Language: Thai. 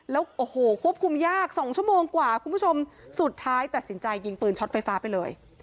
แล้วโอ้โหควบคุมยากสองชั่วโมงกว่าคุณผู้ชมสุดท้ายตัดสินใจยิงปืนช็อตไฟฟ้าไปเลย